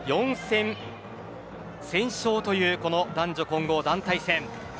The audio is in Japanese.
４戦先勝という男女混合団体戦。